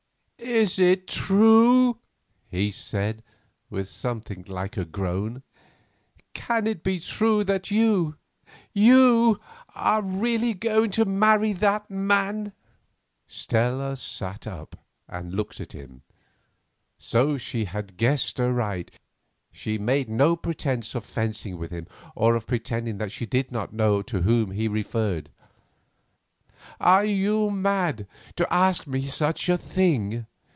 "Is it true," he said, with something like a groan, "can it be true that you—you are really going to marry that man?" Stella sat up and looked at him. So she had guessed aright. She made no pretence of fencing with him, or of pretending that she did not know to whom he referred. "Are you mad to ask me such a thing?"